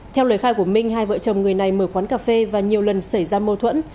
theo lời khai của minh hai vợ chồng người này mở quán cà phê và nhiều lần xảy ra mâu thuẫn